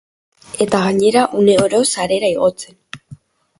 Eta gainera, uneoro sarera igotzen.